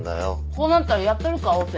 こうなったらやったるかオペ。